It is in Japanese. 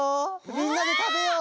みんなでたべよう！